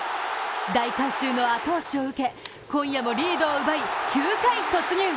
大観衆の後押しを受け、今夜もリードを奪い、９回突入。